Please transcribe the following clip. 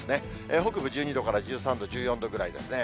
北部１２度から１３度、１４度ぐらいですね。